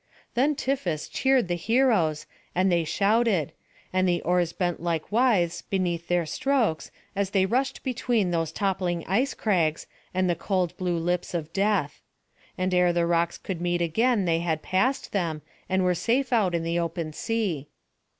Then Tiphys cheered the heroes, and they shouted; and the oars bent like withes beneath their strokes, as they rushed between those toppling ice crags, and the cold blue lips of death. And ere the rocks could meet again they had passed them, and were safe out in the open sea.